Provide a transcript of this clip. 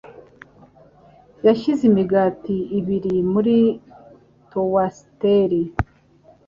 yashyize imigati ibiri muri toasteri.